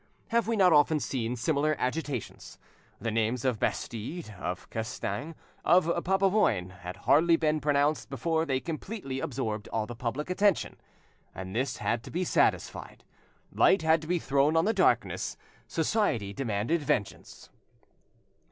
Have we not often seen similar agitations? The names of Bastide, of Castaing, of Papavoine, had hardly been pronounced before they completely absorbed all the public attention, and this had to be satisfied, light had to be thrown on the darkness: society demanded vengeance.